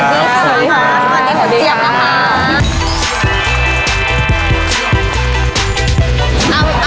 สวัสดีครับแล้วคุณเจี๊ยบครับสวัสดีครับ